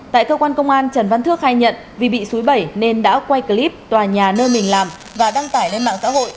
tại cơ quan công an trần văn thước khai nhận vì bị xúi bẩy nên đã quay clip tòa nhà nơi mình làm và đăng tải lên mạng xã hội